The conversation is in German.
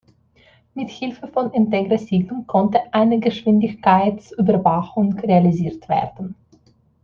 Mit Hilfe von Integra-Signum konnte eine Geschwindigkeitsüberwachung realisiert werden.